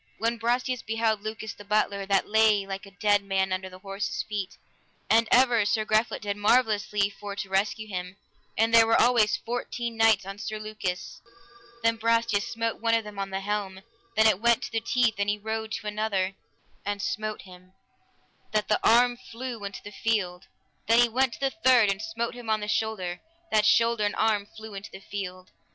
When Brastias beheld Lucas the butler, that lay like a dead man under the horses' feet, and ever Sir Griflet did marvellously for to rescue him, and there were always fourteen knights on Sir Lucas; then Brastias smote one of them on the helm, that it went to the teeth, and he rode to another and smote him, that the arm flew into the field. Then he went to the third and smote him on the shoulder, that shoulder and arm flew in the field.